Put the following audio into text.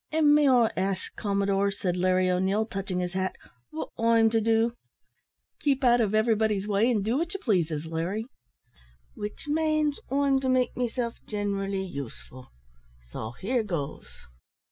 "An', may I ax, commodore," said Larry O'Neil, touching his hat, "wot I'm to do?" "Keep out of everybody's way, and do what you pleases, Larry." "Which manes, I'm to make myself ginerally useful; so here goes."